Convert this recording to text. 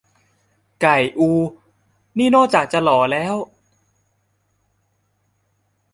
"ไก่อู" นี่ นอกจากจะหล่อแล้ว